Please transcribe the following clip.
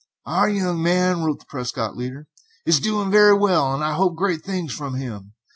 "Our young man," wrote the Prescott leader, "is doing very well, and I hope great things from him.